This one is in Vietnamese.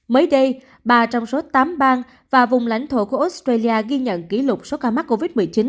mới đây ba trong số tám bang và vùng lãnh thổ của australia ghi nhận kỷ lục số ca mắc covid một mươi chín